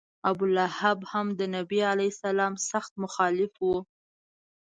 ابولهب هم د نبي علیه سلام سخت مخالف و.